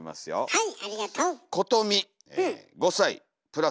はい。